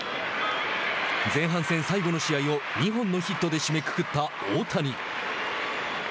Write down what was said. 前半戦最後の試合を２本のヒットで締めくくった大谷。